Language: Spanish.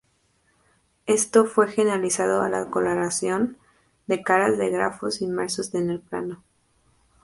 Esto fue generalizado a la coloración de caras de grafos inmersos en el plano.